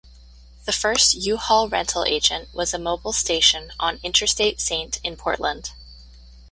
The first U-Haul Rental Agent was a Mobil station on Interstate Saint in Portland.